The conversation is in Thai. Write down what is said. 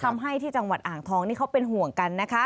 ที่จังหวัดอ่างทองนี่เขาเป็นห่วงกันนะคะ